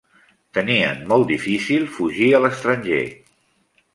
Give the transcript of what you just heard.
Tenien molt difícil fugir a l'estranger.